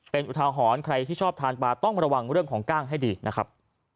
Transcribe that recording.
เป็นอุทาหรณ์ใครที่ชอบทานปลาต้องระวังเรื่องของกล้างให้ดีนะครับ